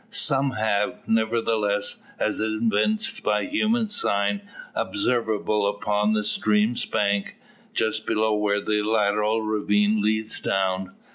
Some have, nevertheless, as evinced by human sign observable upon the stream's bank, just below where the lateral ravine leads down.